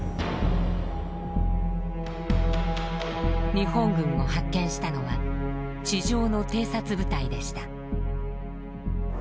日本軍を発見したのは地上の偵察部隊でした。